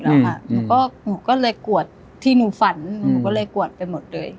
แล้วก็หนูก็เลยกวดที่หนูฝันหนูก็เลยกวดไปหมดเลย